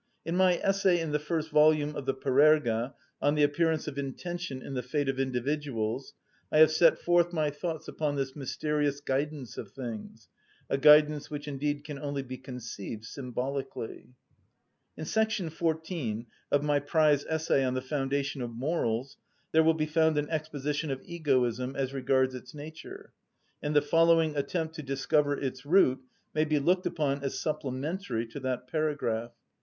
In my essay in the first volume of the Parerga "On the Appearance of Intention in the Fate of Individuals" I have set forth my thoughts upon this mysterious guidance of things, a guidance which indeed can only be conceived symbolically. In § 14 of my prize essay on the foundation of morals there will be found an exposition of egoism, as regards its nature; and the following attempt to discover its root may be looked upon as supplementary to that paragraph.